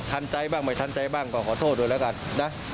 ทันใจบ้างไม่ทันใจบ้างก็ขอโทษด้วยแล้วกันนะ